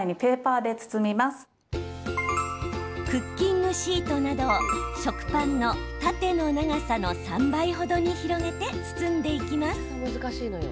クッキングシートなどを食パンの縦の長さの３倍程に広げて包んでいきます。